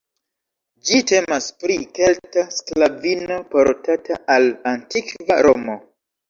Ĝi temas pri kelta sklavino, portata al antikva Romo.